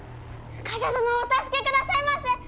冠者殿をお助けくださいませ。